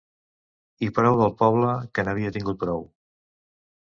I prou del poble, que n'havia tingut prou!